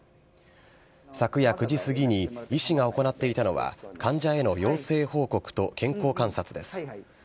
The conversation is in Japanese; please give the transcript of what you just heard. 昨夜９時過ぎに医師が行っていたのは、患者への陽性報告と健康観察です。